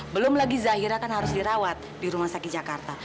belum lagi zahira kan harus dirawat di rumah sakit jakarta